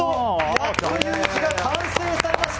「躍」という字が完成されました。